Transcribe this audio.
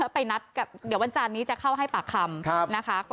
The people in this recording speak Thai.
ไปนัดกับเดี๋ยววันจานนี้จะเข้าให้ปากคำนะคะ